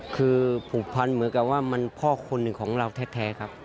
คือผูกพันเหมือนกับว่ามันพ่อคนหนึ่งของเราแท้ครับ